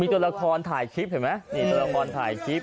มีตัวละครถ่ายคลิปเห็นไหมมีตัวละครลุมประสาทรรศ์